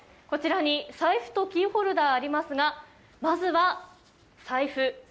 こちらに財布とキーホルダーありますが、まずは財布。